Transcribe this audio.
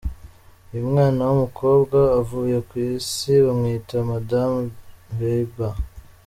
Uyu mwana w'umukobwa avuye ku isi bamwita madame Bieber.